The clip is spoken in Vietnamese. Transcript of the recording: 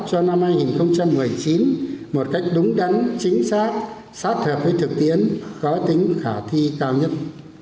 cho năm hai nghìn một mươi chín một cách đúng đắn chính xác sát hợp với thực tiến có tính khả thi cao nhất